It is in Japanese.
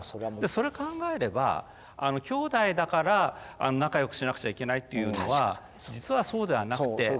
それ考えれば兄弟だから仲よくしなくちゃいけないっていうのは実はそうではなくて。